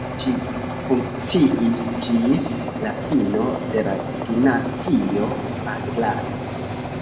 Ĝi funkciis ĝis la fino de la dinastio Pahlavi.